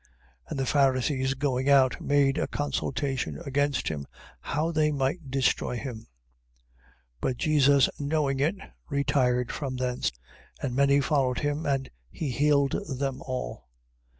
12:14. And the Pharisees going out made a consultation against him, how they might destroy him. 12:15. But Jesus knowing it, retired from thence: and many followed him, and he healed them all.